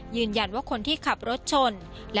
ยืนยันว่าคนที่ขับรถชน